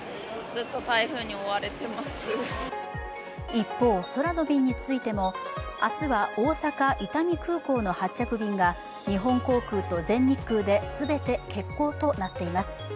一方、空の便についても明日は大阪・伊丹空港の発着便が日本航空と全日空で全て欠航となっています。